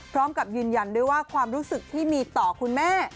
พร้อมกับยืนยันด้วยว่าความรู้สึกที่มีต่อคุณแม่